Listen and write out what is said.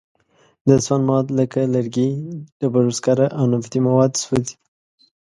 د سون مواد لکه لرګي، ډبرو سکاره او نفتي مواد سوځي.